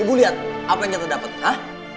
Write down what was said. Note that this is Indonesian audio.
ibu liat apa yang kita dapet hah